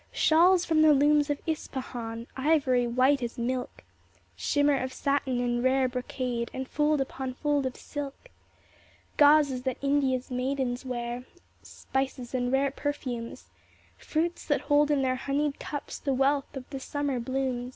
Shawls from the looms of Ispahan ^ Ivory white as milk ; Shimmer of satin and rare brocade. And fold upon fold of silk ; Gauzes that India's maidens wear ; Spices, and rare perfumes ; Fruits that hold in their honeyed cups The wealth of the summer blooms.